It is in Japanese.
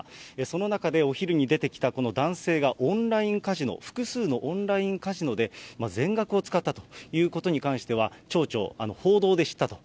その中でお昼に出てきた、この男性がオンラインカジノ、複数のオンラインカジノで全額を使ったということに関しては、町長、報道で知ったと。